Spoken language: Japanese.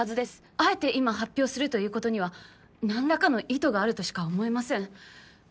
あえて今発表するということには何らかの意図があるとしか思えません。